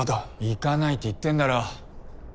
行かないって言ってんだろ。